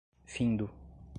Findo